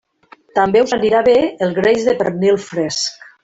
També us anirà bé el greix de pernil fresc.